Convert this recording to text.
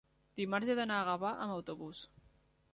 dimarts he d'anar a Gavà amb autobús.